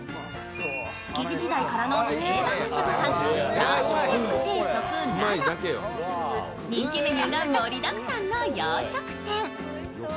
築地時代からの定番朝ご飯チャーシューエッグ定食など人気メニューが盛りだくさんの洋食店。